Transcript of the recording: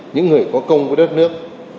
những người có công với đất nước